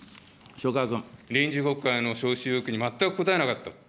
臨時国会の召集要求に全く答えなかった。